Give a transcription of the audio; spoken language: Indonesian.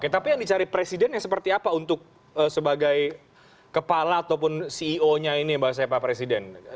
oke tapi yang dicari presidennya seperti apa untuk sebagai kepala ataupun ceo nya ini bahasanya pak presiden